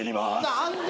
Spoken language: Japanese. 何で！？